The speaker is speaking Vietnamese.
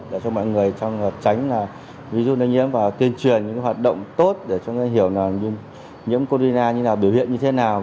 để cho mọi người tránh ví dụ nơi nhiễm và tuyên truyền những hoạt động tốt để cho người hiểu là nhiễm corona như thế nào biểu hiện như thế nào